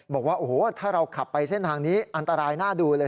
บอกว่าโอ้โหถ้าเราขับไปเส้นทางนี้อันตรายน่าดูเลย